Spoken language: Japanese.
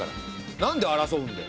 なんで争うんだよ？